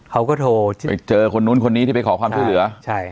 เขาก็โทรไปเจอคนนู้นคนนี้ที่ไปขอความช่วยเหลือใช่